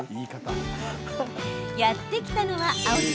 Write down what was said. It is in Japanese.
やって来たのは青じ